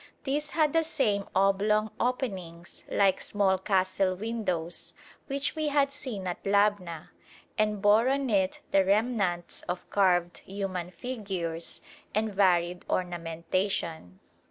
This had the same oblong openings like small castle windows which we had seen at Labna, and bore on it the remnants of carved human figures and varied ornamentation.